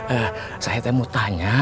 eh saya mau tanya